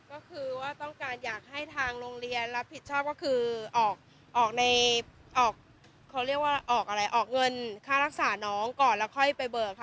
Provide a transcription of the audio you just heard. ก็คือว่าต้องการให้ทางโรงเรียนรับผิดชอบคือออกเงินทราบสาร้าน้องก่อนค่อยไปเบิร์ค